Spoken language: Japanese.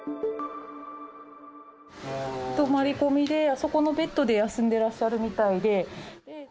泊まり込みであそこのベッドで休んでらっしゃるみたいで。